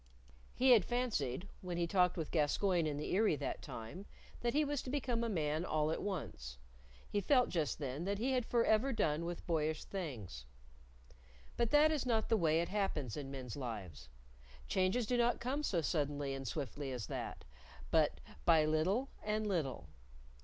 He had fancied, when he talked with Gascoyne in the Eyry that time, that he was to become a man all at once; he felt just then that he had forever done with boyish things. But that is not the way it happens in men's lives. Changes do not come so suddenly and swiftly as that, but by little and little.